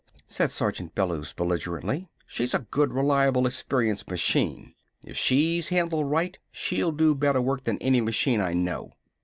said Sergeant Bellews belligerently. "She's a good, reliable, experienced machine! If she's handled right, she'll do better work than any machine I know!"